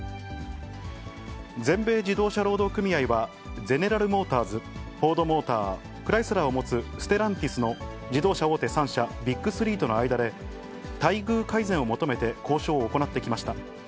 全米自動車労働組合は、ゼネラル・モーターズ、フォード・モーター、クライスラーを持つステランティスの自動車大手３社、ビッグ３との間で、待遇改善を求めて交渉を行ってきました。